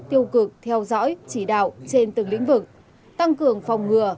tiêu cực theo dõi chỉ đạo trên từng lĩnh vực tăng cường phòng ngừa